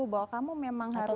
bahwa kamu memang harus